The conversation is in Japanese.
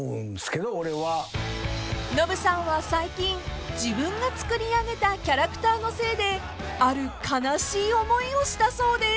［ノブさんは最近自分がつくり上げたキャラクターのせいである悲しい思いをしたそうです］